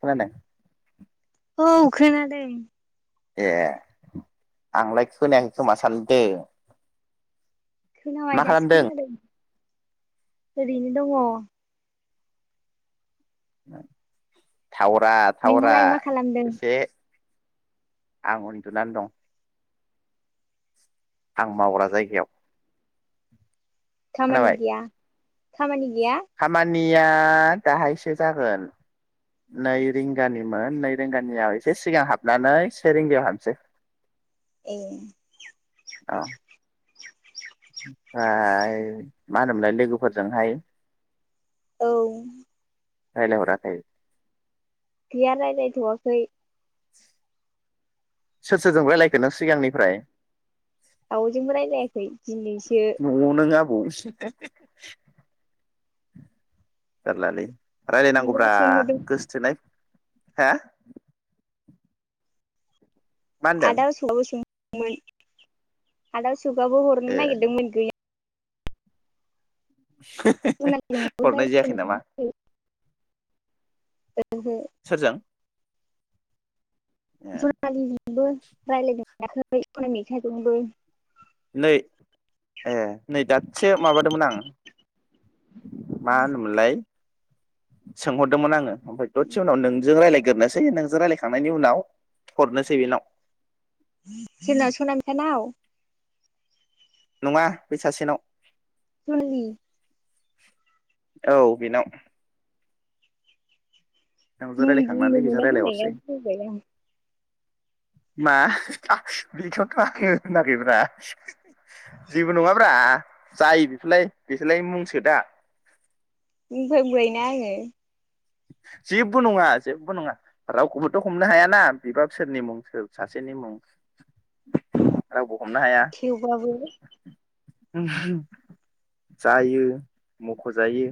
फरायनाय औ खोनादों ए आंलाय खोनायाखै खोमा सानदो। खोनाबाय दासो खोनादों। ओरैनो दङ। [inaudible] थावारा थावारा नोंहालाय मा खालामदों एसे आं उन्दुनानै दं। आं मावग्रा जायगायाव। खामानि खोनाबाय गैया खामानि गैया? निया दाहायसो जागोन नै रिंगानिमोन नै रिंगानियाव एसे सिगां हाबनानै से रिंगायाव हाबनोसै। ए। ओमफ्राय मा होनोमलाय लोगोफोरजोंहाय औ। रायलाय हराखै? गैया रायलाय थ'आखै। सोर सोरजों राय्लायखो नों सिगांनिफ्राय रावजोंबो रायज्लायाखै दिनैसो न'आव नों आबौ जारलालै [inaudible] गैया रायज्लायनांगौब्रा सोंहरदों गोसोथोनाय हा? मा होनदों आदा साबस मोन आदा जुगाबो हरनो ए नागिरदोंमोन गैया सनालिजोंबो हरनाय जायाखै रायज्लायनो नामा? [inaudible] मोनाखै ओहो। सोरजों ए ज ब रायला दों [unintelligible] दाख एखनो मेथाइाजंबो। [unintelligible] नै ए नै दासेो माबादोंमोन आं। मा मोन मोनलाय? सोंहरदोंमोन आङो। ओफ्रायाय दसे उावोंजों रायलाय ग्रनोसै नोंजों रायलायखांनायनि उनाव हरनोसै बेनाव जोंनाव सोनाम सानाव- नङा बे सासेनाव। [inaudible] औ बेनाव। नोंजों मुं रायज्लायखांनानै बुंनो बेजों मोना रायज्लायहरसै होननाया बुं बाय [inaudible] मा बेखौथ' आ होनाखैब्रा [inaudible] जेबो नङाब्रा। जायो बेफोरलाय बेसोरलाय मुंसो दा। मफ्रायाय बायना आङो [unintelligible] जेबो नङा जेबो नङा रावखौबोथ' हमनो हायाना बिबा बिसोरनि मुं सासेनि मुं रावबो। हमनो हाया थेवबाबो जायो मख'जायो।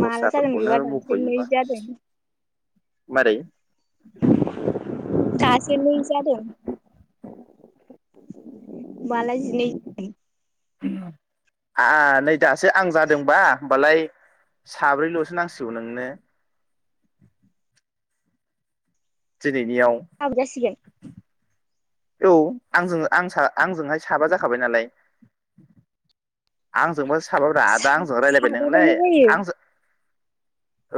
माला जाल मैबाथ मै मख'योबा ज जादों। मारै। [unintelligible] [unintelligible] [unintelligible] दासो आं जादोंबा होमबालाय साब्रैल'सो नांसिगौ नोंनो। [unintelligible] [unintelligible] औ आंजों आंजोंहाय साबा जाखाबाय नालाय आंजोंबा। साबब्रा दा आंजों रायज्लायबाय नोंलाय साबाबानो जायो आंजों।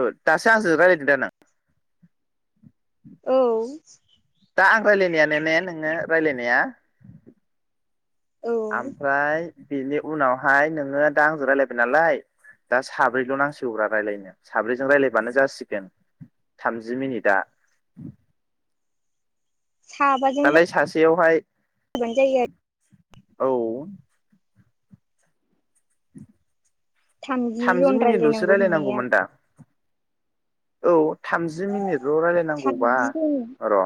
औ दासो आजों रायलायदों दा नों। औ। दा आं रायलायनायानो ने नोंङो रायलायनाया। औ आमफ्राय बेनि उनावहाय नोङो दा आंजों रायजलायबाय नालाय दा साब्रैल' नांसिगौब्रा रायलायनो साब्रैजों रायलायबानो जासिगोन थामजि मिनिटआ। साबाजों दालाय सासेयावहाय। जाबानो जायो आरो औ। थामजि जन मिनिटल'सो रायलायनांगौ होननाया रायलायनांगौमोन दा। औ थामजि मिनिट। ज' रायलायनांगौबा थामजि जन र'।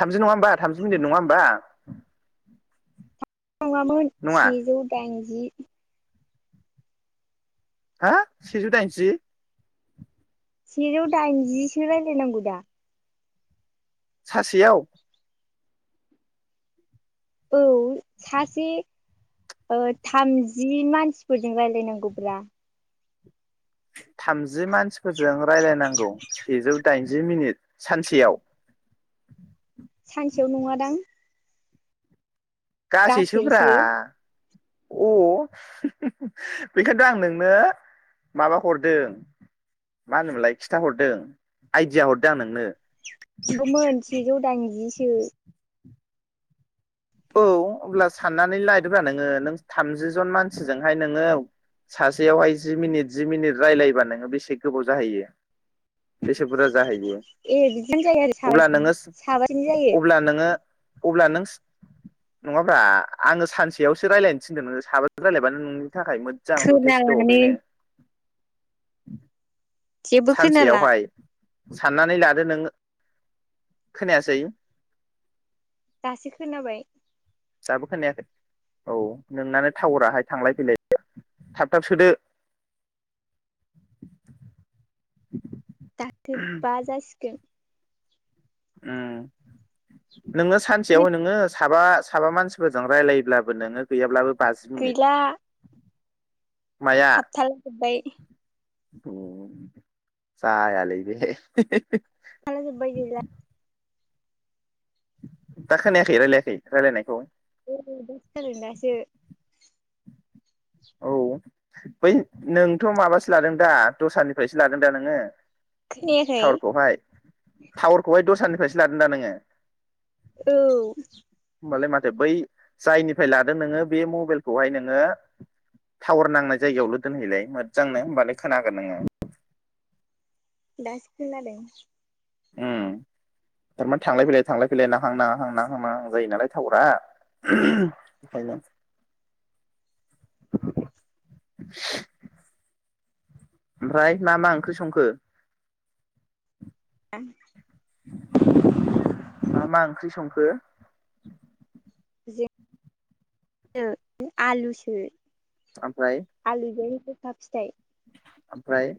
थामजि नङा हबा थामजि मिनिट नङा होमबा। नङामोन नङा सेजौ दाइनज। जि। हा सेजौ दायनजि। सेजौ दायनजिसो रायज्लाय नांगौ। दा। सासेयाव। औ सासे ओ थामजि मानसिफोर। जों रायजलायनांगौब्रा। थामजि मानसिफोरजों रायलायनांगौ सेजौ दाइनजि मिनिट सानसेयाव। सानसेयाव नङादां। गासैसोब्रा। गासैसो अ बेखायथ' आं नोंनो माबा हरदों मा होनोमोनलाय खिथाहरदों आइदिया हरदों आं नोंनो। नंंगौमोन सेजौ दाइनजिसो। औ अब्ला साननानै लादोब्रा नोङो नों थामजि जन मानसिजोंहाय नोङो सासेयावहाय जि मिनिट जि मिनिट रायलायोबा नोङो बेसे गोबाव जाहैयो बेसे बुरजा जाहैयो। ए बिदियानो जायो आरो सा अब्ला नोङो साबाजों जायो अब्ला नोङो अब्ला नों नङाब्रा आङो सानसेयावसो रायजलायनो थिनदों नों साबा रायजलायबानो नों नि थाखाय मोजां जथेस्थ' खोनालानो बेनो जेबो खोनाला सानसेयावहाय साननानै लादो नों खोनायासै दासो खोनाबाय जाबो खोनायाखै औ नोंनानो टावराहाय थांलाय फैलाय थाब थाब सोदो दाथ बा जासिगोन ओं नोङो सानसेयावह नोङो साबा साबा मानसिफोरजों रायलायोब्लाबो नोङो गैयाब्लाबो पास मिनिट गैला माया थाबथाला जोबबाय जायालै बे थाला जोबबाय गैला दा खोनायाखै रायलायाखै रायलायनायखौ ए दासो जादों दासो औ बै नोंथ' माबासो लादों दा दस्रानिफ्रायसो लादों दा नोङो खोनायाखै टावारखौहाय टावारखौहाय दस्रानिफ्रायसो लादोंदा नोङो? औ होमबालाय माथो बै जायनिफ्राय लादों नोङो बे मबाइलखौहाय नोङो टावार नांनाय जायगायावल' दोनहैलाय मोजांनो होमबानो खोनागोन नोङो दासो खोनादों ओम थारमाने थांलाय फैलाय थांलाय फैलाय नाहां नाङाहां नांहां नांआहां,, जायो नालाय थावारा ओम बेखायनो ओमफ्राय मा मा ओंख्रि संखो? [unintelligible] मा मा ओंख्रि संखो? जिं [unintelligible] आलुसो ओमफ्राय आलुजों जोग था फिथाइ आमफ्राय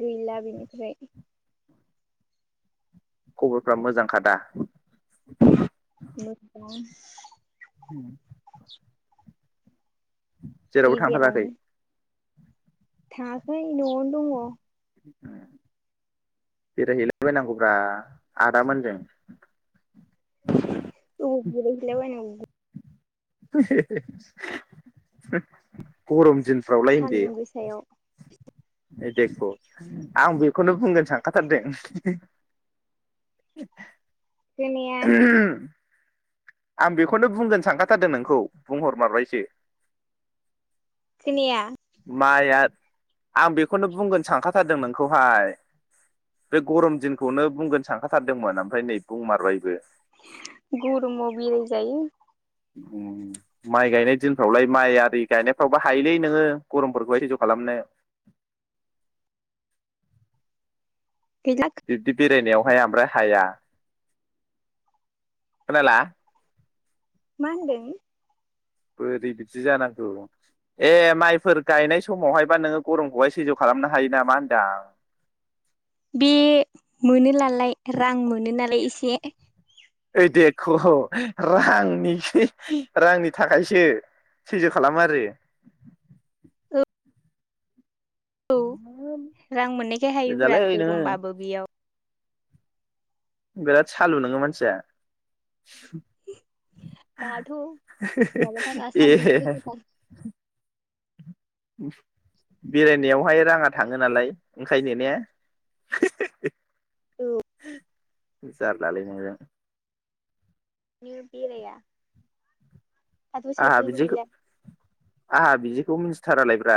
गैला बिनि फ्राय खबरफ्रा मोजांखादा? मोजां ओम जेरावबो थांथाराखै? गेजेरावनो थाङाखै न'आवनो दङ ओ बेरायहैला बायनांगौब्रा आदामोनजों अबाव बेरायहैला बायनांगौ गरम दिन सान्दुं गोसायाव [inaudible] ओइ देख' आं बेखौनो बुंगोन सानखाथारदों खोनाया [inaudible] ओम आं बेखौनो बुंगोन सानखाथारदों नोंखौ बुंहरमारबायसो खोनाया माइआ आं बेखौनो बुंगोन सानखाथारदों नोंखौहाय बे गरम दिनखौनो बुंगोन सानखाथारदोंमोन ओमफ्राय नै बुंमारबायबो गर'माव बेराय जायो ओम माइ गायनाय दिनफ्रावलाय माइ आरि गायनायफ्रावबो हायोलै नोङो गरमफोरखौहाय सैज' खालामनो गैला बिब्दि बेरायनायावहाय ओमफ्राय हाया खोनाला मा होनदों बोरै बिदि जानांगौ ए माइफोर गायनाय समावहायबा नोङो गरमखौहाय सैज' खालामनो हायो नामा होनदां बे मोनोलालाय रां मोनो नालाय एसे ओइ देखौ रांनिसो रांनि थाखायसो सैज्य' खालामो आरो औ औ रां मोननायखाय हायोब्रा गोजालै नोङो गरमबाबो बेयाव बिराद सालु नोङो मानसिया दाथ' माबाथार ए सान्दुं गोसाथार बेरायनायावहाय राङा थाङो नालाय ओंखायनो ने जारलालै नोंजों नों बेराया दाथ' आंहा साइकेलबो बिदिखौ गैला आंहा बिदिखौ मिथि थारालायब्रा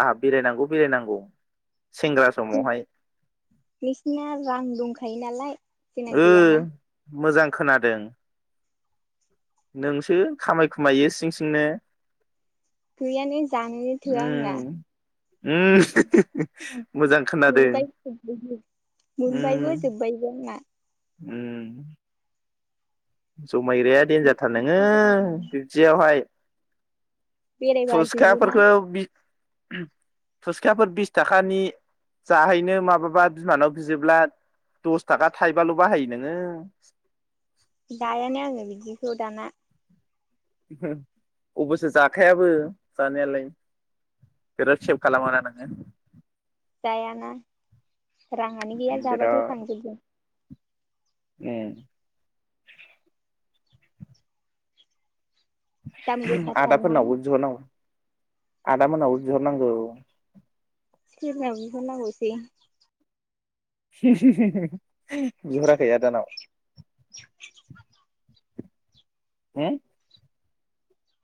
आंहा बेरायनांगौ बेरायनांगौ सेंग्रा समावहाय नोंसिना रां दंखायो? नालाय जोंना ओ गैयाना मोजां खोनादों। नोंसो खामायखुमायो सिं सिंनो गैयानो जानोनो थोआ आंना उम उम मोजां खोनादों मोनबाय जोबबाय मोनबायबो उम जोब्बायबो आंना उम जमायग्राया दन्जारथार नोङो बिब्दियावहाय। बेरायबा जोबोना फुसखाफोरखौ बि फुसखाफोर बिस थाखानि जाहैनो माब्लाबा बिमानाव बियोब्ला दस थाखा थाइबाल' बाहायो नोङो जायान आङो बिदिखौ दाना। अबसो जाखायाबो जानायालाय बिराद सेेब खालामो नानोङो? जायाना। राङानो गैया जाबाथाय बिराद थांजोबगोन। उम। दाम गोसाथारना आदाफोरनावबो बिहर नांगौ। आदामोनाव बो बिहर नांगौ। सोरनाव बिहार नांगौसै? [unintelligible] बिहराखै आ दानाव? होम।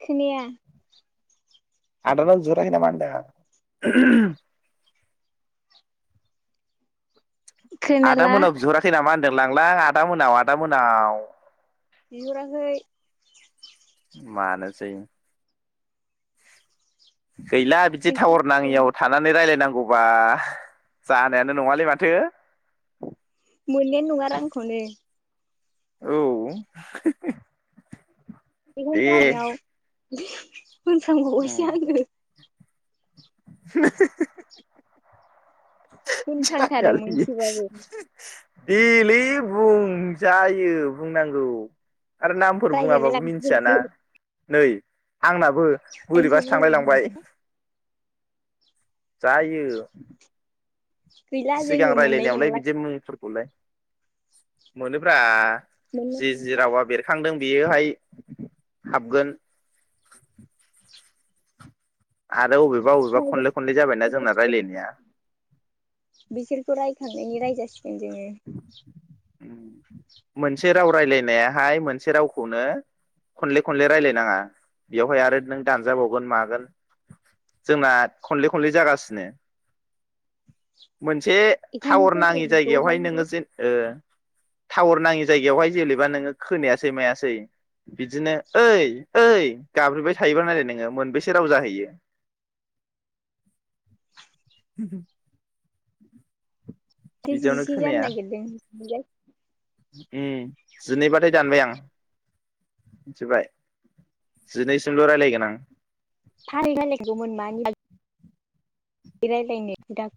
खोनाया। आदानाव बिहराखै नामा होनदों आं? आदा खोनाला मोनाव बिहराखै नामा होन होनदोंलांलां आदा मोनाव आदा मोनाव। बिहराखै। मानोसै गैला बिदि टावर नाङियाव थानानै रायजलायनांगौबा जानायानो नङालै माथो मोननायानो नंङा रांखौनोव औ। [inaudible] [inaudible] दे उम होनफ्रांबावबायसो आंङो। [inaudible] होनफ्रांथारो जायालै इयो। मोनसेबाबो देलै बुंजायो बुंनांगौ। आरो नामफोर रायजालाय बुङाबाबो लांसिगोनसो मिथियाना नै आंनाबो आंसो बोरैबासो थांलाय लांबाय। जायो। गैला सिगां जोङो मोननाय रायज्लायनायावलाय नंला बिदि मोन लाय मोनोब्रा। मोननाय जि जि रावा बेरखांदों बेयोहाय हाबगोन। फ्राय बबेबा बबेबा नंला खनले खनले जाबायना जोंना रायज्लायनाया। [unintelligible] बेखौ रायखांनायनि रायजजासिगोन जोङो। [inaudible] मोनसे राव रायलायनायाहाय मोनसे रावखौनो खनले खनले रायलायनाङा बेवहाय आरो नों दानजाबावगोन मागोन जोंना खनले खनले जागासिनो। मोनसे बेखायनो टावर जोङो नाङि जायगायावहाय दहायनो नोङो जेन ओ टावार नाङि जायगायावहाय जेनेबा नोङो खोनायासै मायासै बिदिनो ओइ ओइ गाब्रोबबाय थायोबा नाय नोङो मोनबेसे राव जाहैयो। बिदियावनो खोनाया [unintelligible] [unintelligible] उम जिनैबाथाय दानबाय आं मिथिबाय जिनैसिमल रायजलायगोन आं। [inaudible] बे रायलायनायखौ दान।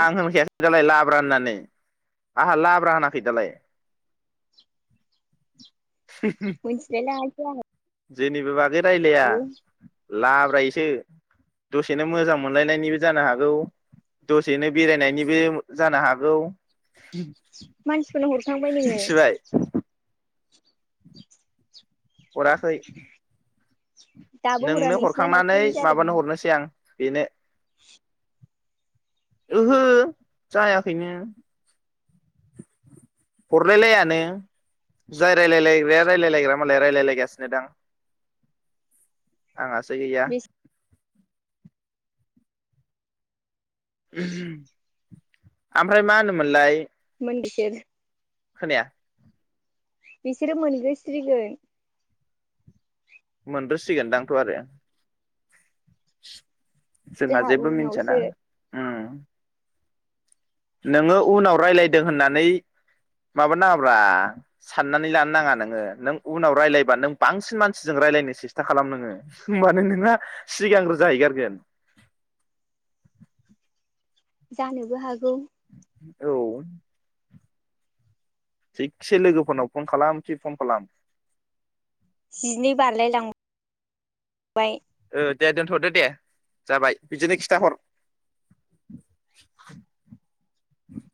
आं होनखायासै दालाय ला हरा होननानै आंहा लाब्राहोनाखै दालाय मोनथिलाय लाङा किया हे जेनि बो बाजेथ रायलाया लाब्रायैसो दसेनो मोजां मोनलायनायनिबो जानो हागौ दसेनो बेरायनायनिबो जानो हागौ। मानसिफोरनो हरखांबाय नोङो मिनथिबाय हराखै दाबो हरा नोंनो नोंसिना हरखांनानै दाख्लैनो जादों माबानो हरनोसै आं बेनो ओहो जायाखैनो हरलायलायानो जाय रायलायलायग्राया रायलायलायग्रा मालाय रायलायलायगासिनो दां आंहासो गैया। बिस आमफ्राय मा होनोमोनलाय हुम बिसोर खोनाया बिसोरो मोनगोस्रिगोन मोनद्रोसिगोनदांथ आरो जोंहा जेबो मिन्थिया ना उम नोङो उनाव रायलायदों होननानै माबा नाङाब्रा साननानै लानो नाङा नोङो नों उनाव राय्लायबा नों बांसिन मानसिजों राय्लायनो सेस्था खालाम नोङो होमबानो नोंहा सिगांग्रो जाहैगोरगोन। जानोबो हागौ औ थिखसे लोगोफोरनाव फन खालाम खि फन खालाम जिनै बारलाय लां बाय ओ दे दोनथ दो दे जाबाय बिदिनो खिथाहर